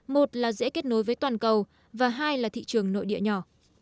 một là dễ kết nối với toàn cầu và hai là thị trường nội địa nhỏ